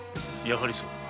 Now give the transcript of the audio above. やはりそうか。